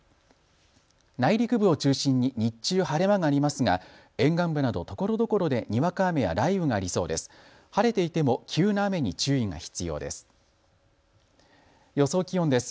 内陸部を中心に日中、晴れ間がありますが沿岸部などところどころでにわか雨や雷雨がありそうです。